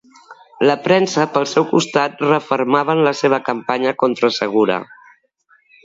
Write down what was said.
La premsa, pel seu costat, refermava en la seva campanya contra Segura.